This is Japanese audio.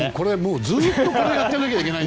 ずっとこれやっていなきゃいけない。